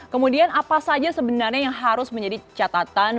kemudian apa saja sebenarnya yang harus menjadi catatan